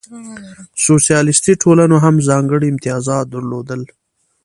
سوسیالیستي ټولنو هم ځانګړې امتیازات درلودل.